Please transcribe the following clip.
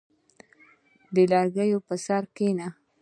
• د لرګي پر سر کښېنه.